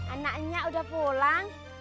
anaknya udah pulang